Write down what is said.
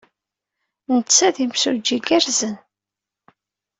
Netta d imsujji igerrzen.